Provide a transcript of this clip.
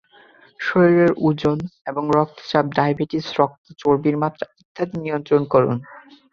শরীরের ওজন এবং রক্তচাপ, ডায়াবেটিস, রক্তে চর্বির মাত্রা ইত্যাদি নিয়ন্ত্রণ করুন।